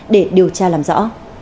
để điều tra làm rõ